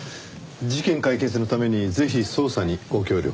事件解決のためにぜひ捜査にご協力を。